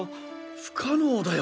不可能だよ